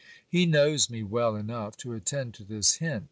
He knows me well enough to attend to this hint.